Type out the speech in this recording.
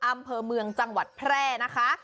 อำเภอเมืองจังหวัดแพร่นะคะ